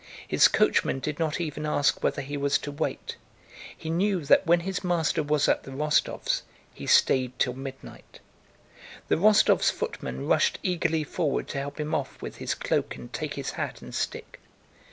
His coachman did not even ask whether he was to wait. He knew that when his master was at the Rostóvs' he stayed till midnight. The Rostóvs' footman rushed eagerly forward to help him off with his cloak and take his hat and stick.